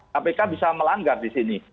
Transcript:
kpk bisa melanggar di sini